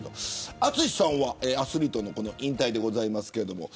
淳さんはアスリートの引退ですけども。